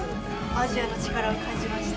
アジアの力を感じました！